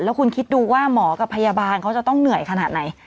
แล้วคุณคิดดูว่าหมอกับพยาบาลเขาจะต้องเหนื่อยขนาดไหน